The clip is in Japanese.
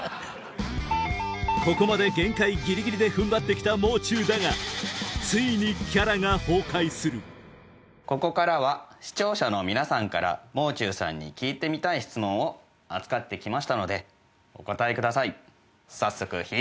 ここまで限界ギリギリで踏ん張って来た「もう中」だがついにキャラが崩壊するここからは視聴者の皆さんから「もう中」さんに聞いてみたい質問預かって来ましたのでお答えください。